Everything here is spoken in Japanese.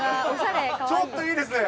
ちょっといいですね。